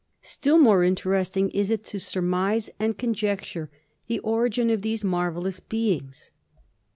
Still more interesting is it to surmise and conjecture the origin of these marvelous beings.